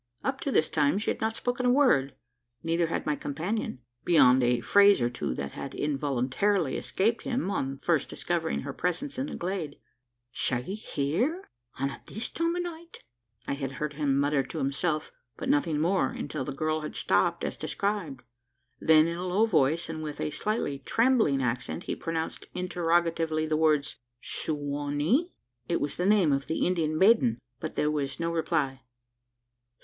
Up to this time, she had not spoken a word. Neither had my companion beyond a phrase or two that had involuntarily escaped him, on first discovering her presence in the glade. "She here? an' at this time o' night!" I had heard him mutter to himself; but nothing more, until the girl had stopped, as described. Then, in a low voice, and with a slightly trembling accent, he pronounced interrogatively, the words "Su wa nee?" It was the name of the Indian maiden; but there was no reply.